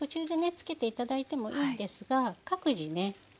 付けて頂いてもいいんですが各自ね